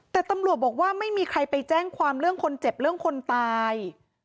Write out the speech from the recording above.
แต่ตำรวจบอกว่าไม่มีใครไปแจ้งความเรื่องคนเจ็บเรื่องคนตาย